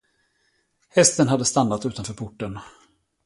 Hästen hade stannat utanför porten.